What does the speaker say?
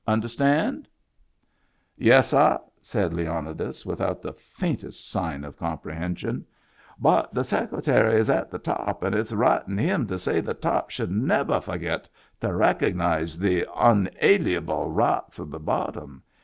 Understand ?" "Yes, sah," said Leonidas, without the faintest sign of comprehension. "But the Secretary is at the top and it's right in him to say the top should nevah forget to recognize the onaliable rights of the bottom.